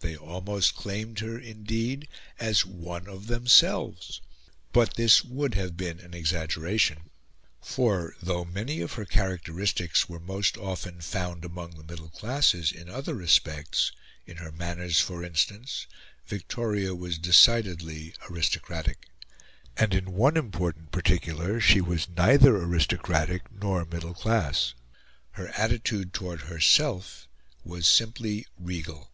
They almost claimed her, indeed, as one of themselves; but this would have been an exaggeration. For, though many of her characteristics were most often found among the middle classes, in other respects in her manners, for instance Victoria was decidedly aristocratic. And, in one important particular, she was neither aristocratic nor middle class: her attitude toward herself was simply regal.